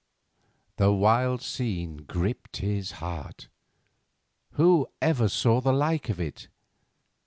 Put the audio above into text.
The wild scene gripped his heart. Whoever saw the like of it?